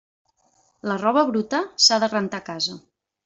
La roba bruta s'ha de rentar a casa.